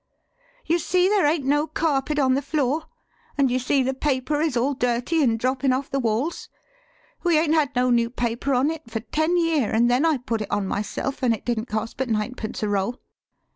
You see there ain't no carpet on the floor, an' you see the paper is all dirty an* droppin' off the walls. We 'ain't had no new paper on it for ten year, an' then I put it on myself, an' it didn't cost but ninepence a roll.